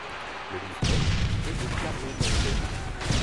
Le livret est de Carlo Goldoni.